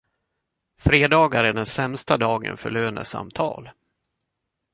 Fredagar är den sämsta dagen för lönesamtal